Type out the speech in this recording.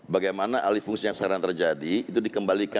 bagaimana alih fungsi yang sekarang terjadi itu dikembalikan